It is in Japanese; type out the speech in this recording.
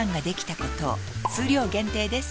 数量限定です